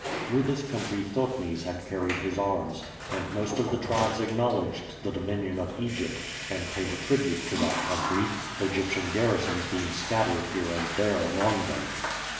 Through this country Thotmes had carried his arms, and most of the tribes acknowledged the dominion of Egypt and paid a tribute to that country, Egyptian garrisons being scattered here and there among them.